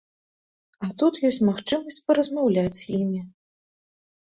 А тут ёсць магчымасць паразмаўляць з імі.